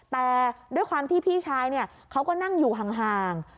แต่ด้วยความที่พี่ชายเขาก็นั่งอยู่ห่าง